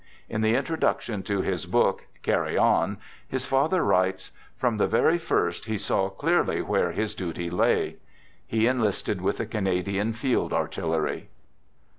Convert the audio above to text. In the introduction to his book " Carry On," his father writes :" From the very first he saw clearly where his duty lay." He enlisted with the Canadian Field Artillery.